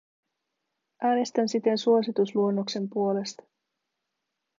Äänestän siten suositusluonnoksen puolesta.